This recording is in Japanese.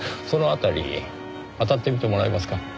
その辺りあたってみてもらえますか？